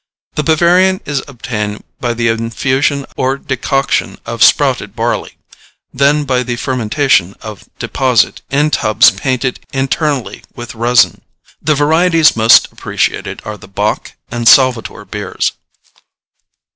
The Bavarian is obtained by the infusion or decoction of sprouted barley; then by the fermentation of deposit, in tubs painted internally with resin. The varieties most appreciated are the Bock and Salvator beers.